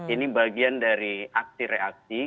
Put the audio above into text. ini bagian dari aksi reaksi